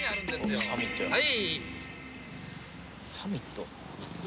サミット？